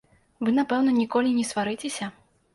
Вы, напэўна, ніколі не сварыцеся.